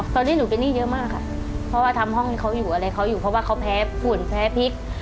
ตอนนี้หนูเป็นหนี้เยอะมากค่ะเพราะว่าทำห้องเขาอยู่อะไรเขาอยู่เพราะว่าเขาแพ้ฝุ่นแพ้พริก